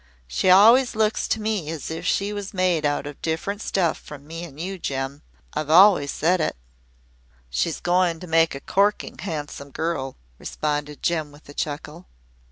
She always looks to me as if she was made out of different stuff from me an' you, Jem. I've always said it." "She's going to make a corking handsome girl," responded Jem with a chuckle.